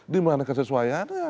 di mana kesesuaiannya